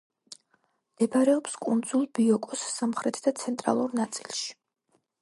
მდებარეობს კუნძულ ბიოკოს სამხრეთ და ცენტრალურ ნაწილში.